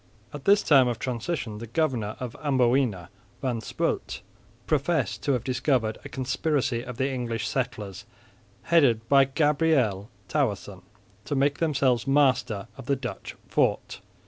At this time of transition the Governor of Amboina, Van Speult, professed to have discovered a conspiracy of the English settlers, headed by Gabriel Towerson, to make themselves masters of the Dutch fort.